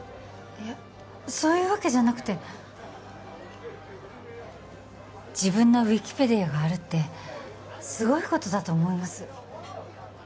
いやそういうわけじゃなくて自分のウィキペディアがあるってすごいことだと思います